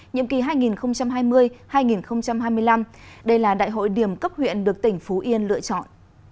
nhiệm kỳ hai nghìn hai mươi hai nghìn hai mươi năm đây là đại hội điểm cấp huyện được tỉnh phú yên lựa chọn